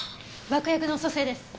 爆薬の組成です。